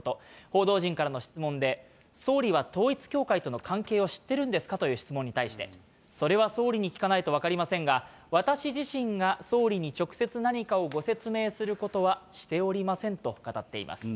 報道陣からの質問で、総理は統一教会との関係を知ってるんですかという質問に対して、それは総理に聞かないと分かりませんが、私自身が総理に直接何かをご説明することはしておりませんと語っています。